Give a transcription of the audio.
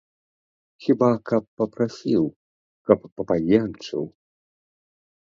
Хіба каб папрасіў, каб папаенчыў!